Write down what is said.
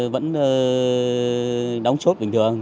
vẫn đóng chốt bình thường